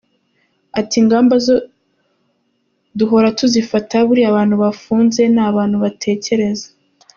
Ati “Ingamba zo duhora tuzifata, buriya abantu bafunze ni abantu batekereza.